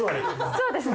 そうですね